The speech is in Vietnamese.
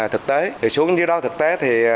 thực tế xuống dưới đó thực tế thì